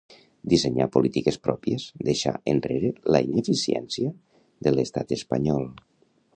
Dissenyar polítiques pròpies, deixar enrere la ineficiència de l'estat espanyol